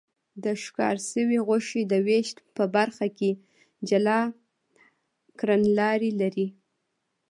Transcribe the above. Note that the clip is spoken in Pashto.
د ښکار شوې غوښې د وېش په برخه کې جلا کړنلارې لري.